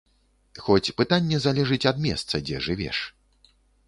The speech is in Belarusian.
Хоць пытанне залежыць ад месца, дзе жывеш.